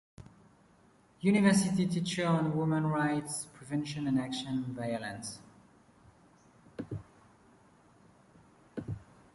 University teacher on Women Rights, prevention and action on violence.